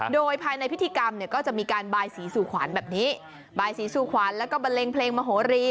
โดยภายในพิธีกรรมเนี่ยก็จะมีการบายสีสู่ขวัญแบบนี้บายสีสู่ขวัญแล้วก็บันเลงเพลงมโหรี